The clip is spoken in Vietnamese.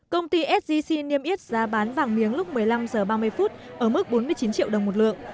công ty sgc niêm yết giá bán vàng miếng lúc một mươi năm h ba mươi ở mức bốn mươi chín triệu đồng một lượng